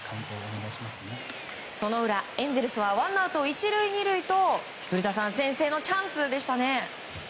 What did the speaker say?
その裏、エンゼルスはワンアウト１塁２塁と古田さん先制のチャンスでしたね。